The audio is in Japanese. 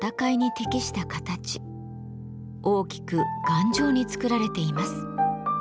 大きく頑丈に作られています。